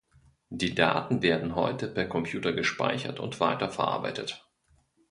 Die Daten werden heute per Computer gespeichert und weiter verarbeitet.